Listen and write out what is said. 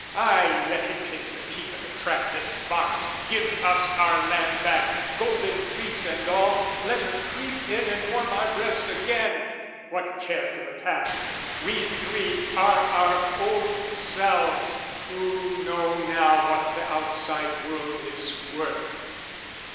"Ay, let him taste the teeth o' the trap, this fox, "Give us our lamb back, golden fleece and all, "Let her creep in and warm our breasts again! "What care for the past? we three are our old selves, "Who know now what the outside world is worth."